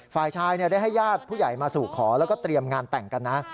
ฝ่ายชายได้ให้ญาติผู้ใหญ่มาสู่ขอแล้วก็เตรียมงานแต่งกันนะ